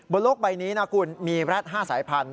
บนโลกใบนี้นะคุณมีแร็ด๕สายพันธุ